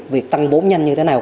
việc tăng vốn nhanh như thế nào